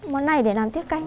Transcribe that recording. món này để làm tiết canh